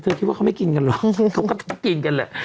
คิดว่าเขาไม่กินกันหรอกเขาก็กินกันแหละ